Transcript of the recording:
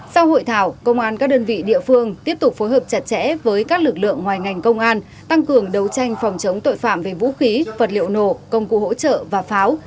sau hội thảo công an các đơn vị địa phương tiếp tục phối hợp chặt chẽ với các lực lượng ngoài ngành công an tăng cường đấu tranh phòng chống tội phạm về vũ khí vật liệu nổ công cụ hỗ trợ và pháo